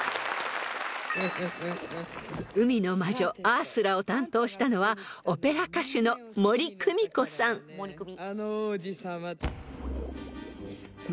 アースラを担当したのはオペラ歌手の森公美子さん］